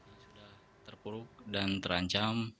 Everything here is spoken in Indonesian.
ya sudah terpuruk dan terancam